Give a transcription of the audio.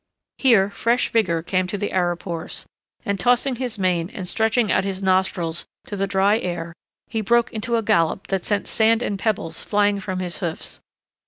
Here fresh vigor came to the Arab horse, and tossing his mane and stretching out his nostrils to the dry air he broke into a gallop that sent sand and pebbles flying from his hoofs.